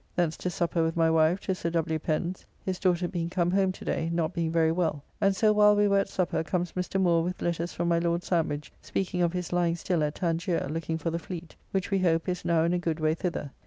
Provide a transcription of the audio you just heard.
Thence to supper with my wife to Sir W. Pen's, his daughter being come home to day, not being very well, and so while we were at supper comes Mr. Moore with letters from my Lord Sandwich, speaking of his lying still at Tangier, looking for the fleet; which, we hope, is now in a good way thither.